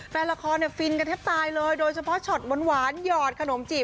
แฟนละครเนี่ยฟินกันแทบตายเลยโดยเฉพาะช็อตหวานหยอดขนมจีบ